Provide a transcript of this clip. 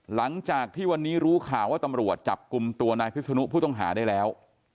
หลังจากที่วันนี้รู้ข่าวว่าตำรวจจับกลุ่มตัวนายพิศนุผู้ต้องหาได้แล้ว